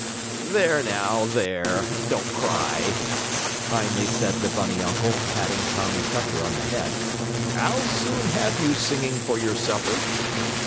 "There now, there! Don't cry," kindly said the bunny uncle, patting Tommie Tucker on the head. "I'll soon have you singing for your supper."